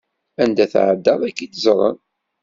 Anda tεeddaḍ ad k-id-ẓren.